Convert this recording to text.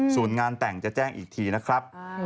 ส่วนงานแต่งจะแจ้งอีกทีนะครับ